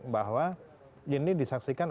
bahwa ini disaksikan